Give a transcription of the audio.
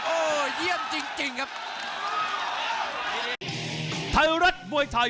โอ้โหเยี่ยมจริงครับ